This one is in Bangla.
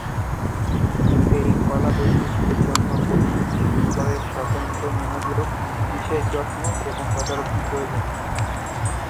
এই কলা বৈচিত্র্যের জন্য প্রতিটি স্তরের স্বতন্ত্র মনোযোগ, বিশেষ যত্ন এবং তদারকি প্রয়োজন।